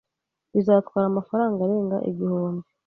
Bizatwara amafaranga arenga igihumbi .